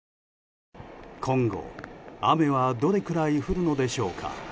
今後、雨はどれくらい降るのでしょうか。